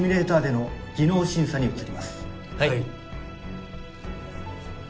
はい。